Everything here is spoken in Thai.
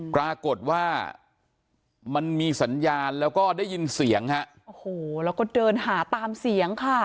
ปรากฏว่ามันมีสัญญาณแล้วก็ได้ยินเสียงฮะโอ้โหแล้วก็เดินหาตามเสียงค่ะ